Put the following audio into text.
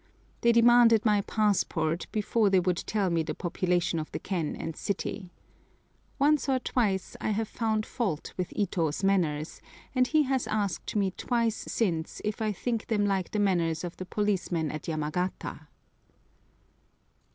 They demanded my passport before they would tell me the population of the ken and city. Once or twice I have found fault with Ito's manners, and he has asked me twice since if I think them like the manners of the policemen at Yamagata!